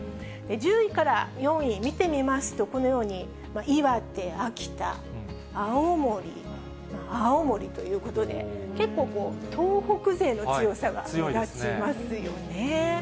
１０位から４位、見てみますと、このように、岩手、秋田、青森、青森ということで、結構こう、東北勢の強さが目立ちますよね。